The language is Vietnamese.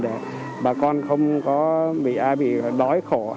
để bà con không có ai bị đói khổ